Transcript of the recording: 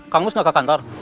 kang mus gak ke kantor